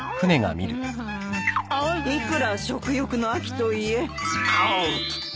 いくら食欲の秋といえ。